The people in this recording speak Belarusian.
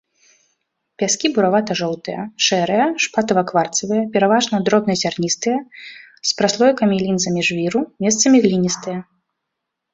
Пяскі буравата-жоўтыя, шэрыя, шпатава-кварцавыя, пераважна дробназярністыя, з праслойкамі і лінзамі жвіру, месцамі гліністыя.